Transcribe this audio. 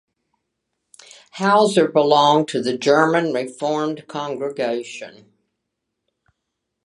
Hauser belonged to the German Reformed congregation.